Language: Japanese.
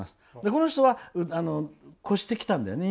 この人は越してきたんだよね。